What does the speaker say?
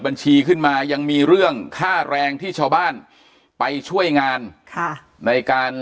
บัญชีขึ้นมายังมีเรื่องค่าแรงที่ชาวบ้านไปช่วยงานค่ะในการ